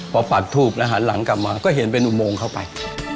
พอปากทูบแล้วหันหลังกลับมาก็เห็นเป็นอุโมงเข้าไป